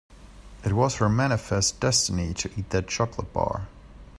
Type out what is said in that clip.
It was her manifest destiny to eat that chocolate bar.